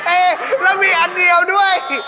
เอ๊แล้วมีอันเดียวด้วย